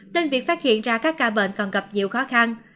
nên việc phát hiện ra các ca bệnh còn gặp nhiều khó khăn